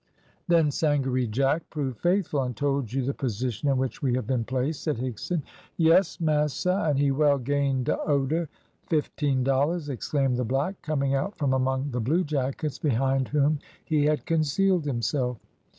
"Then Sangaree Jack proved faithful, and told you the position in which we have been placed," said Higson. "Yes, massa, and he well gained de oder fifteen dollars," exclaimed the black, coming out from among the bluejackets, behind whom he had concealed himself.